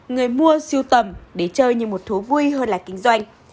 người mua siêu tầm để chơi như một thú vui hơn là kinh doanh